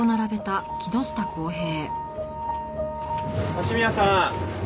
鷲宮さん。